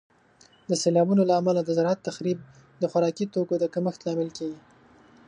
د سیلابونو له امله د زراعت تخریب د خوراکي توکو د کمښت لامل کیږي.